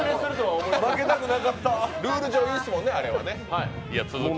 ルール上、いいっすもんね、あれは。